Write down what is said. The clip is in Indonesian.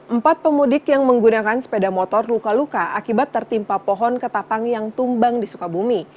empat pemudik yang menggunakan sepeda motor luka luka akibat tertimpa pohon ketapang yang tumbang di sukabumi